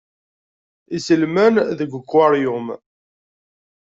Iselman deg ukwaṛyum.